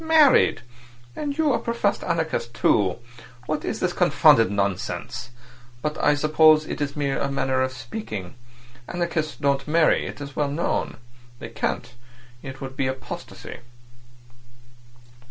"Married! And you a professed anarchist, too! What is this confounded nonsense? But I suppose it's merely a manner of speaking. Anarchists don't marry. It's well known. They can't. It would be apostasy."